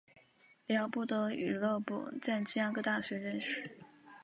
李奥波德与勒伯在芝加哥大学认识。